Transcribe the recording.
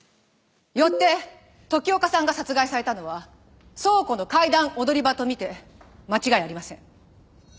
よって時岡さんが殺害されたのは倉庫の階段踊り場と見て間違いありません。